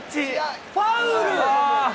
ファウル。